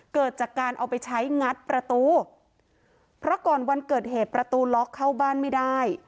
เกิดจากการเอาไปใช้งัดประตูเพราะก่อนวันเกิดเหตุประตูล็อกเข้าบ้านไม่ได้